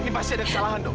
ini pasti ada kesalahan don